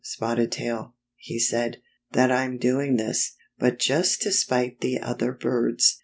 Spotted Tail," he said, " that I'm doing this, but just to spite the other birds.